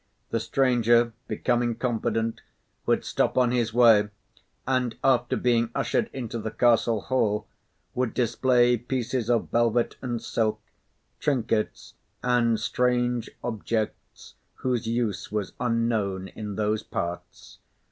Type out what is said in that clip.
The stranger, becoming confident, would stop on his way and after being ushered into the castle hall, would display pieces of velvet and silk, trinkets and strange objects whose use was unknown in those parts.